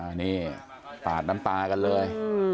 อันนี้ปาดน้ำตากันเลย